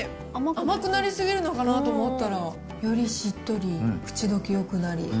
甘くなり過ぎるのかなと思ったら、よりしっとり、口どけよくなり。